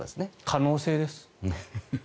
可能性です。